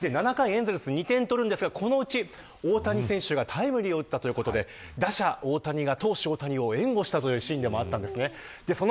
７回エンゼルス２点取るんですがこのうち大谷選手がタイムリーを打ったということで打者大谷が援護をしたというシーンもありました。